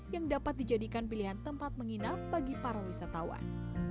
yang dapat dijadikan pilihan tempat menginap bagi para wisatawan